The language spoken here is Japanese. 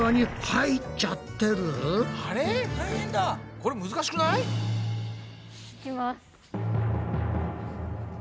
これ難しくない？いきます！